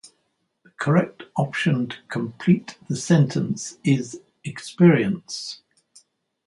The correct option to complete the sentence is "experience."